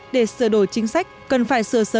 để sửa đổi chính sách cần phải sửa sớm